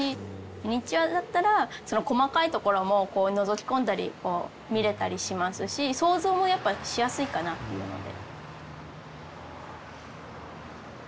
ミニチュアだったら細かいところものぞき込んだり見れたりしますし想像もやっぱしやすいかなというので。